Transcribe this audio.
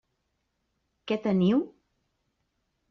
Què teniu?